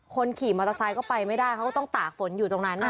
คนขี่มอเตอร์ไซค์ก็ไปไม่ได้เขาก็ต้องตากฝนอยู่ตรงนั้น